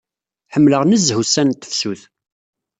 Ḥemmleɣ nezzeh ussan n tefsut.